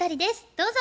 どうぞ。